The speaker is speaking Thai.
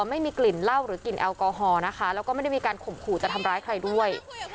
ไม่มีกลิ่นเหล้าหรือกลิ่นแอลกอฮอล์นะคะแล้วก็ไม่ได้มีการข่มขู่จะทำร้ายใครด้วย